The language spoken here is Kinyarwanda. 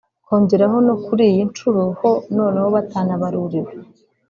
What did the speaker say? kongeraho no kuri iyi nshuro ho noneho batanabaruriwe